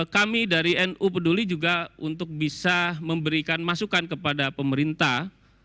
kami dari nu peduli juga untuk bisa memberikan masukan kepada pemerintah